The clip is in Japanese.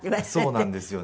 そうなんですよね。